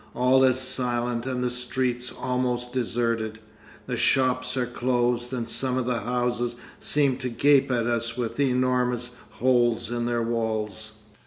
All is silent and the streets almost deserted. The shops are closed, and some of the houses seem to gape at us with enormous holes in their walls.